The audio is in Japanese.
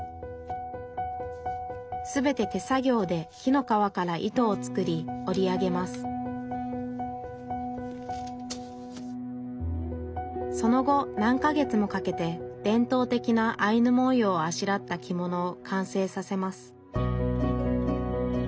全て手作業で木の皮から糸を作り織り上げますその後何か月もかけて伝統的なアイヌ文様をあしらった着物を完成させます